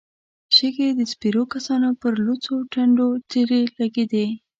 شګې د سپرو کسانو پر لوڅو ټنډو تېرې لګېدې.